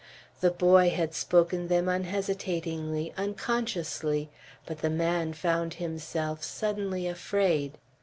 The boy had spoken them unhesitatingly, unconsciously; but the man found himself suddenly afraid.